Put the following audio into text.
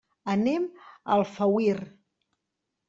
Anem a Alfauir.